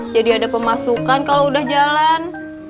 jadi ada pemasukan kalau udah jalan